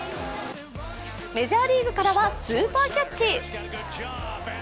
メジャーリーグからはスーパーキャッチ。